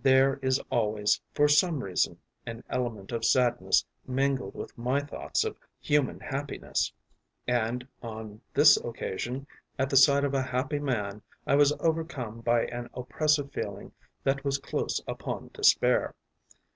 There is always, for some reason, an element of sadness mingled with my thoughts of human happiness, and, on this occasion, at the sight of a happy man I was overcome by an oppressive feeling that was close upon despair.